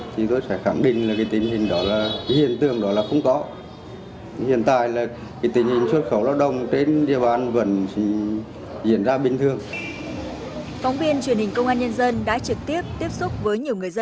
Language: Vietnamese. thì đều có những tin đồn về việc nhiều người đi xuất khẩu lao động ở nước ngoài bị trả về